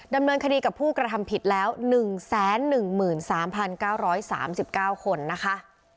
ดำเนินคดีกับผู้กระทำผิดแล้ว๑๑๓๙๓๙คนนะคะ